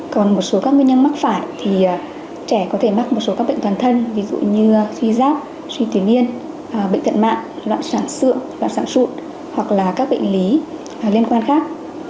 còn một số các nguyên nhân mắc phải thì trẻ có thể mắc một số các bệnh toàn thân ví dụ như suy giáp suy tuyến niên bệnh thận mạng loạn sản xương loạn sạn sụn hoặc là các bệnh lý liên quan khác